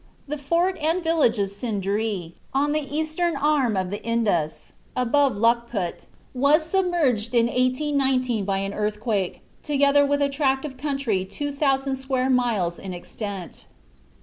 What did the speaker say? The fort and village of Sindree, on the eastern arm of the Indus, above Luckput, was submerged in 1819 by an earthquake, together with a tract of country 2000 square miles in extent.